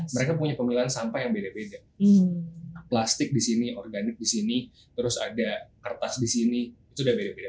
mereka punya pemilihan sampah yang beda beda plastik disini organik disini terus ada kertas disini itu udah beda beda